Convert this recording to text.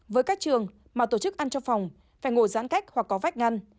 với các trường mà tổ chức ăn cho phòng phải ngồi giãn cách hoặc có vách ngăn